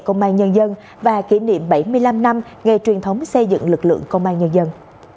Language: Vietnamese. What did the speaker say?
công an nhân dân và kỷ niệm bảy mươi năm năm ngày truyền thống xây dựng lực lượng công an nhân dân